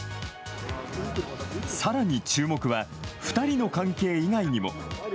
さらに注目は２人の関係以外にも。